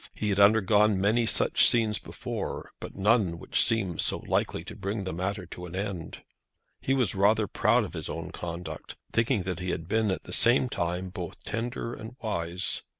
He had undergone many such scenes before, but none which seemed so likely to bring the matter to an end. He was rather proud of his own conduct, thinking that he had been at the same time both tender and wise.